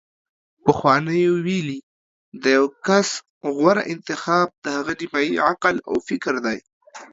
پخوانیو ویلي: د یو کس غوره انتخاب د هغه نیمايي عقل او فکر دی